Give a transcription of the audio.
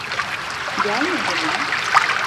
Gelmedi mi?